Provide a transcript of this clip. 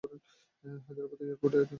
হায়দ্রাবাদ এয়ারপোর্টে তুমি ফোন হারিয়েছ।